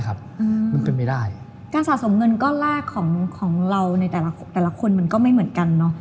การสะสมเงินก้อนแรกของเราในแต่ละคนมันก็ไม่เหมือนกันเนอะ